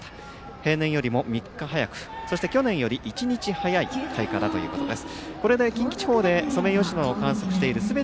平年よりも３日早くそして去年よりも１日早い開花だということです。